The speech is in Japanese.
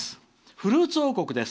フルーツ王国です。